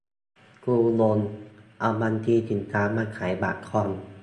กูงง เอาบัญชีสินค้ามาขายบัตรคอน